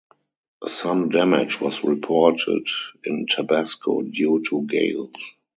Some damage was reported in Tabasco due to gales.